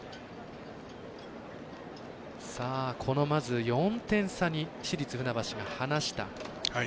まず４点差に市立船橋が離した。